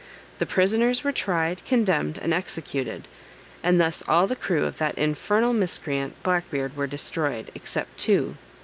The prisoners were tried, condemned, and executed; and thus all the crew of that infernal miscreant, Black Beard, were destroyed, except two.